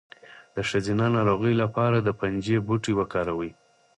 د ښځینه ناروغیو لپاره د پنجې بوټی وکاروئ